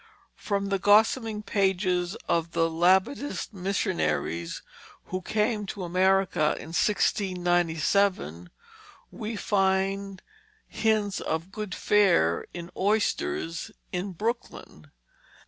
From the gossiping pages of the Labadist missionaries who came to America in 1697 we find hints of good fare in oysters in Brooklyn.